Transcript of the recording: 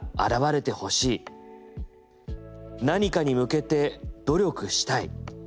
何かに向けて努力したい！